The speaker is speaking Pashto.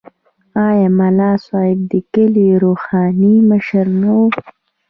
آیا ملا صاحب د کلي روحاني مشر نه وي؟